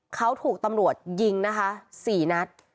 เขาถูกตำรวจยิงนะคะ๔นัด